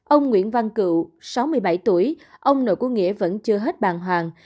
ông nguyễn văn cựu sáu mươi bảy tuổi ông nội của nghĩa vẫn chưa hết bàng hoàng